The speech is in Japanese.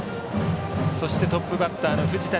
そしてトップバッターの藤田。